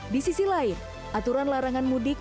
di sisi lain aturan larangan mudik